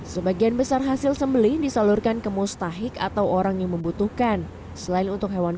sebagian besar hasil sembeli disalurkan ke mustahik atau orang yang membutuhkan selain untuk hewan